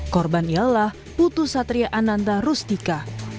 korban ialah putu satria ananda rustika